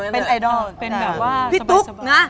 เป็นไอดอลใช่มั้ยเจ๊้า